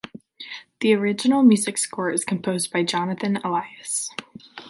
The original music score is composed by Jonathan Elias.